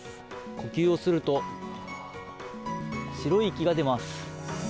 呼吸をすると、白い息が出ます。